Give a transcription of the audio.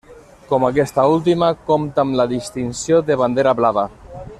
Com aquesta última, compta amb la distinció de Bandera blava.